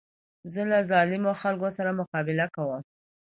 زه له ظالمو خلکو سره مقابله کوم.